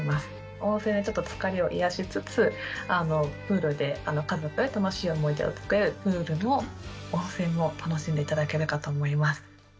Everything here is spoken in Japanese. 温泉でちょっと疲れを癒やしつつ、プールで、家族で楽しい思い出を作れる、温泉も楽しんでいただけるかと思います。